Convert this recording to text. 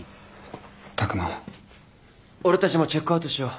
俺たちもチェックアウトしよう。